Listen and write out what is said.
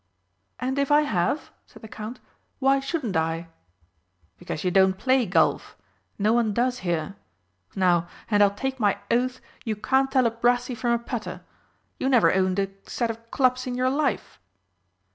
"And if I have," said the Count. "Why shouldn't I?" "Because you don't play golf. No one does here now, and I'll take my oath you can't tell a brassey from a putter. You never owned a set of clubs in your life!"